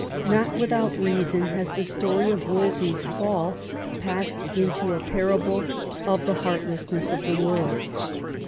Not without reason has the story of Wolsey's fall passed into a parable of the heartlessness of the world.